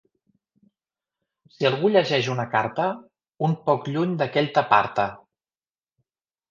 Si algú llegeix una carta, un poc lluny d'aquell t'aparta.